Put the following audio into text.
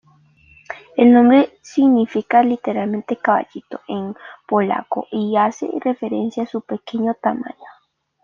El nombre significa literalmente "caballito" en polaco y hace referencia a su pequeño tamaño.